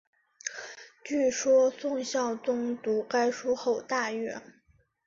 据说宋孝宗读该书后大悦。